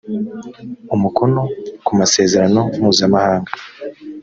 umukono ku masezerano mpuzamahanga